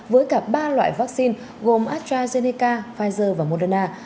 với cả ba loại vaccine gồm astrazeneca pfizer và moderna